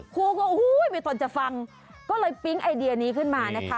คู่ก็อุ้ยตนจะฟังก็เลยปิ๊งไอเดียนี้ขึ้นมานะคะ